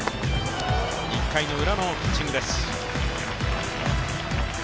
１回のウラのピッチングです。